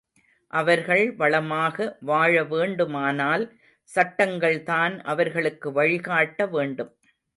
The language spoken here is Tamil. அவர்கள் வளமாக வாழ வேண்டுமானால், சட்டங்கள்தான் அவர்களுக்கு வழி காட்ட வேண்டும்.